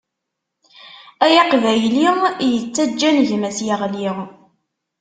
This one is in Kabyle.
Ay Aqbayli yettaǧǧan gma-s yeɣli.